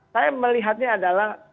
saya melihatnya adalah